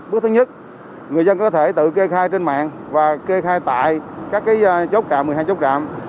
bước thứ nhất người dân có thể tự kê khai trên mạng và kê khai tại các chốt cà một mươi hai chốt trạm